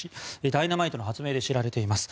ダイナマイトの発明で知られています。